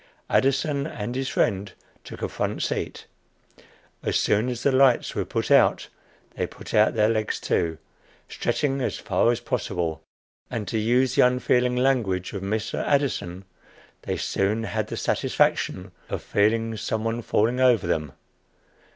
Addison and his friend took a front seat; as soon as the lights were put out they put out their legs too; stretching as far as possible; and, to use the unfeeling language of Mr. Addison, they "soon had the satisfaction of feeling some one falling over them."